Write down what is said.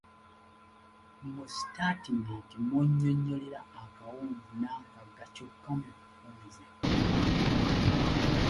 Mu sitaatimenti mw’onnyonnyolera akawonvu n’akagga kyokka mu bufunze.